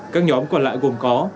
các nhóm còn lại gồm có